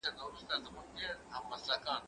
موبایل د زده کوونکي له خوا کارول کيږي،